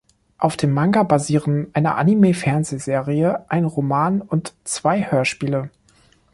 Auf dem Manga basieren eine Anime-Fernsehserie, ein Roman und zwei Hörspiele.